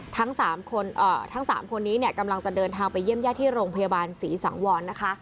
ทั้งสามคนเอ่อทั้งสามคนนี้เนี้ยกำลังจะเดินทางไปเยี่ยมแยกที่โรงพยาบาลศรีสังวรณ์นะคะ